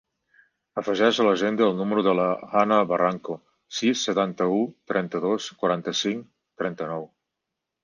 Afegeix a l'agenda el número de la Hanna Barranco: sis, setanta-u, trenta-dos, quaranta-cinc, trenta-nou.